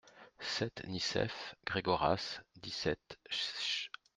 sept Nicéph, Gregoras, dix-sept, ch.